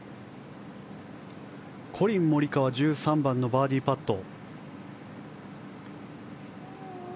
コリン・モリカワ１３番のバーディーパット。